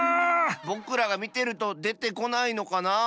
ぼくらがみてるとでてこないのかなあ。